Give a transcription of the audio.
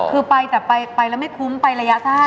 คือไปแต่ไปแล้วไม่คุ้มไประยะสั้น